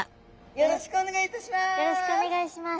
よろしくお願いします。